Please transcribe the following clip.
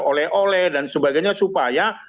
oleh oleh dan sebagainya supaya